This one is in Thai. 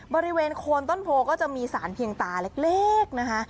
บริเวณโคนต้นโพก็จะมีสารเพียงตาเล็กนะคะ